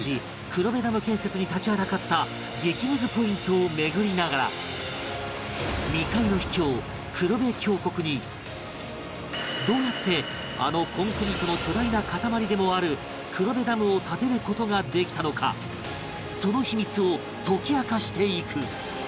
黒部ダム建設に立ちはだかった激ムズポイントを巡りながら未開の秘境黒部峡谷にどうやってあのコンクリートの巨大な塊でもある黒部ダムを建てる事ができたのかその秘密を解き明かしていく